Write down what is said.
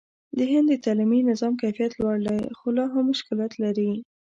د هند د تعلیمي نظام کیفیت لوړ دی، خو لا هم مشکلات لري.